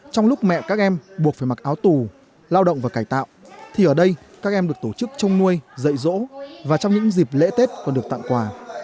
trong lúc mẹ các em buộc phải mặc áo tù lao động và cải tạo thì ở đây các em được tổ chức trông nuôi dạy rỗ và trong những dịp lễ tết còn được tặng quà